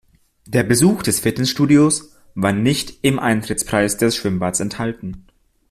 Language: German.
Der Besuch des Fitnessstudios war nicht im Eintrittspreis des Schwimmbads enthalten.